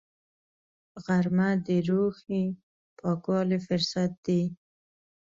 غرمه د روحي پاکوالي فرصت دی